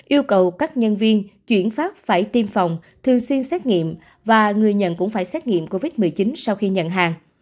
yêu cầu các nhân viên chuyển phát phải tiêm phòng thường xuyên xét nghiệm và người nhận cũng phải xét nghiệm covid một mươi chín sau khi nhận hàng